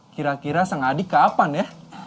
kira kira sang adik kapan ya